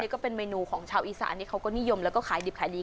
ของการชัดอีสานของเขาก็นิยมและขายดีบขายดี